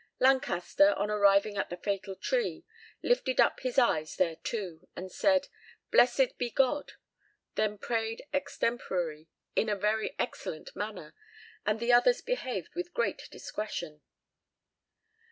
Lancaster, on arriving at the fatal tree, lifted up his eyes thereto, and said, "Blessed be God," then prayed extemporary in a very excellent manner, and the others behaved with great discretion.